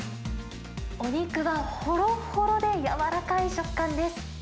お肉がほろほろで軟らかい食感です。